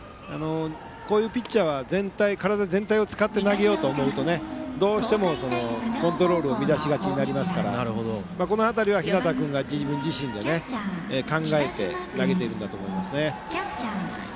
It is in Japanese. こういうピッチャーは体全体を使って投げようと思うとどうしてもコントロールを乱しがちになりますからこの辺りは日當君が自分自身で考えて投げているんだと思いますね。